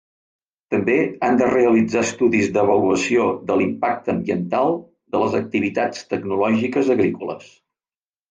També han de realitzar estudis d'avaluació de l'impacte ambiental de les activitats tecnològiques agrícoles.